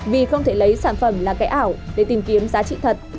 vì không thể lấy sản phẩm là cái ảo để tìm kiếm giá trị thật